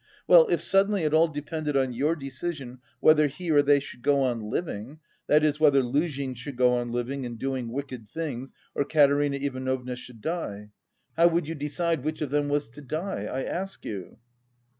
Well, if suddenly it all depended on your decision whether he or they should go on living, that is whether Luzhin should go on living and doing wicked things, or Katerina Ivanovna should die? How would you decide which of them was to die? I ask you?"